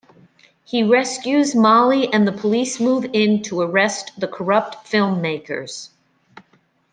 He rescues Molly and the police move in to arrest the corrupt film makers.